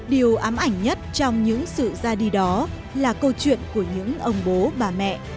điều ám ảnh nhất trong những sự ra đi đó là câu chuyện của những ông bố bà mẹ